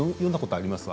あります。